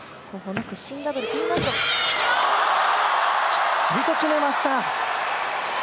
きっちりと決めました。